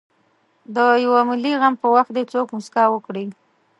د یوه ملي غم په وخت دې څوک مسکا وکړي.